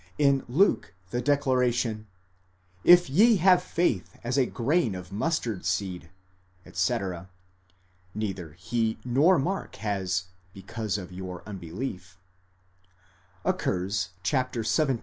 In Luke the declaration: 27. ye have faith as a grain of mustard seed, etc. (neither he nor Mark has, Because of your unbelief), occurs xvii.